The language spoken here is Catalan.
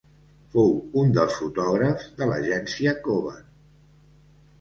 Fou un dels fotògrafs de l'agència Cover.